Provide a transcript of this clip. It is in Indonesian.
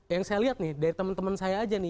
yang saya lihat nih dari teman teman saya aja nih